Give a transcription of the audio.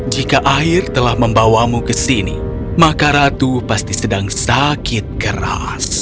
jika air telah membawamu ke sini maka ratu pasti sedang sakit keras